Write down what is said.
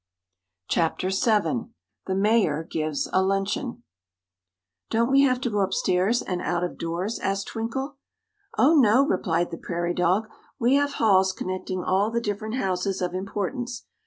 Chapter VII The Mayor Gives a Luncheon "DON'T we have to go upstairs and out of doors?" asked Twinkle. "Oh, no," replied the prairie dog, "we have halls connecting all the different houses of importance.